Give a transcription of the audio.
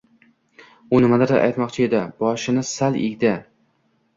U nimanidir aytmoqchi edi. Boshini sal egdi: